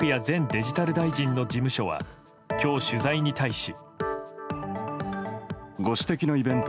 デジタル大臣の事務所は今日、取材に対し。